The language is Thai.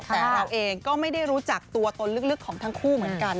แต่เราเองก็ไม่ได้รู้จักตัวตนลึกของทั้งคู่เหมือนกัน